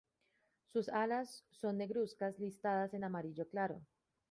Sus alas son negruzcas listadas en amarillo claro.